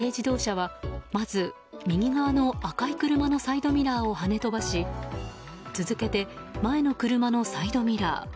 突っ込んできた軽自動車はまず、右側の赤い車のサイドミラーをはね飛ばし続けて前の車のサイドミラー